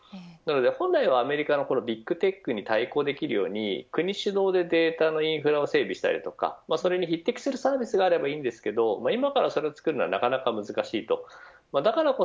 本来はアメリカのビッグテックに対抗できるように国主導でデータのインフラを整備したりそれに匹敵するサービスがあればいいのですが今からそれを作るのは難しいです。